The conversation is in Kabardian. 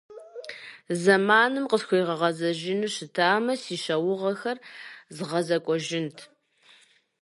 Зэманым къысхуегъэгъэзэжыну щытамэ, си щыуагъэхэр згъэзэкӏуэжынт.